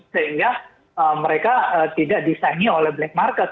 sehingga mereka tidak disaingi oleh black market